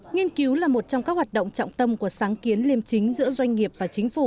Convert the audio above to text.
nghiên cứu là một trong các hoạt động trọng tâm của sáng kiến liêm chính giữa doanh nghiệp và chính phủ